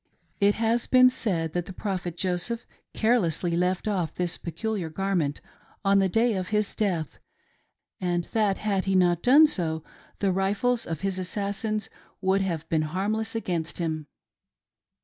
It has been said that the Prophet Joseph carelessly left off this peculiar garment on the day of his death, and that had he not done so the rifles of his assassins would have been harmless against him.